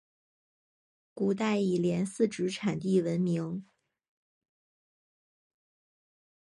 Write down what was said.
古代以连四纸产地闻名。